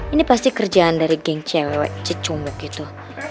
ini pasti kerjaan dari geng cewek cecombe gitu